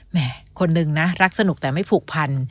แม่คนหนึ่งนะรักสนุกแต่ไม่ผูกพัน